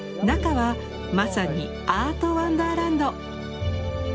中はまさにアートワンダーランド！